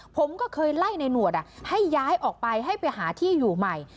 ผมก็เคยไล่ในหนวดให้ย้ายออกไปให้ไปหาที่อยู่ใหม่